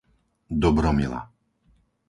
Dobromila